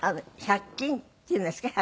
１００均っていうんですか？